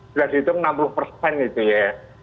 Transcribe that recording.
sudah dihitung enam puluh persen itu ya